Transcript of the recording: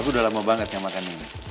aku udah lama banget yang makan ini